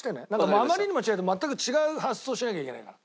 あまりにも違うと全く違う発想をしなきゃいけないから。